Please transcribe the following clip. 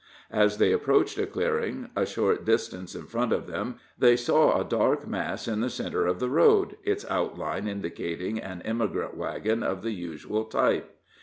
As they approached a clearing a short distance in front of them, they saw a dark mass in the centre of the road, its outlines indicating an emigrant wagon of the usual type.